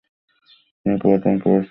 তিনি পুরাতন প্রাসাদে নির্বাসিত ছিলেন।